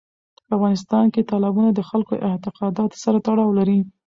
په افغانستان کې تالابونه د خلکو د اعتقاداتو سره تړاو لري.